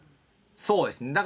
そうですね。